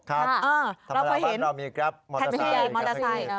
ครับธรรมดาบัตรเรามีกราฟมอเตอร์ไซค์